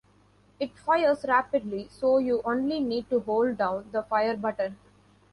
It fires rapidly, so you only need to hold down the Fire button.